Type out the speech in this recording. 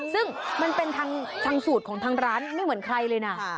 ซึ่งมันเป็นทางสูตรของทางร้านไม่เหมือนใครเลยนะ